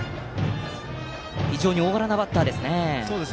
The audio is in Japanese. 非常に大柄なバッターですね。